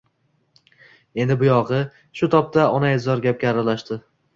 Endi bu yog‘i… Shu tobda onaizor gapga aralashdi